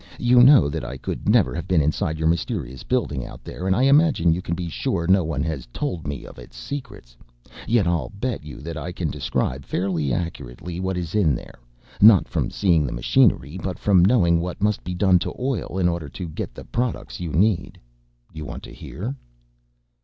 You know that I could never have been inside your mysterious building out there, and I imagine you can be sure no one has told me its secrets. Yet I'll bet you that I can describe fairly accurately what is in there not from seeing the machinery, but from knowing what must be done to oil in order to get the products you need. Do you want to hear?"